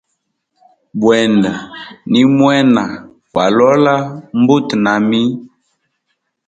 Bwenda nimwena wa lola mbutu nami.